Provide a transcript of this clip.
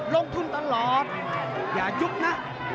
ลงทุนตลอดอย่ายุบนะ